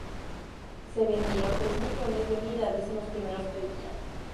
Se vendieron tres millones de unidades en los primeros tres días.